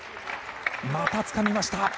またつかみました。